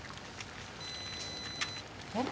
えっ